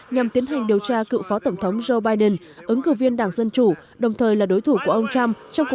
nhằm tiến hành điều tra cựu phó tổng thống joe biden ứng cử viên đảng dân chủ đồng thời là đối thủ của ông trump